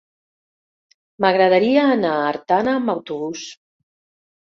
M'agradaria anar a Artana amb autobús.